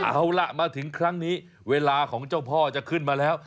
เอาล่ะมาถึงครั้งนี้เวลาของเจ้าพ่อจะขึ้นมาแล้ว